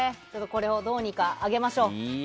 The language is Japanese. これをどうにか上げましょう。